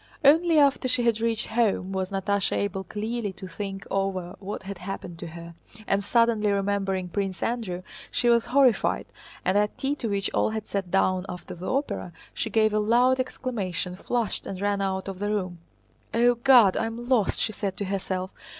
Only after she had reached home was Natásha able clearly to think over what had happened to her, and suddenly remembering Prince Andrew she was horrified, and at tea to which all had sat down after the opera, she gave a loud exclamation, flushed, and ran out of the room. "O God! I am lost!" she said to herself.